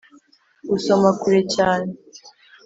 gusoma kure cyane